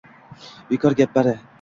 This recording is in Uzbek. Bekor gap bari…